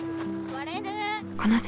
この先